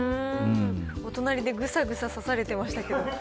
お隣でぐさぐさ刺されてましたけど。